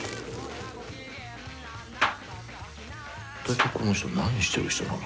大体この人何してる人なの？